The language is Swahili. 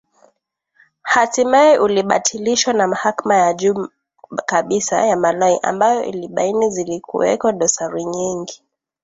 hatimae ulibatilishwa na mahakama ya juu kabisa ya Malawi ambayo ilibaini zilikuweko dosari nyingi